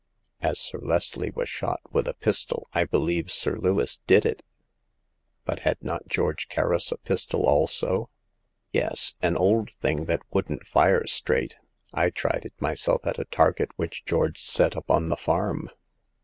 As Sir Leslie was shot with a pistol, I believe Sir Lewis did it." But had not George Kerris a pistol also ?"" Yes ; an old thing that wouldn't fire straight. I tried it myself at a target which George set up on the farm."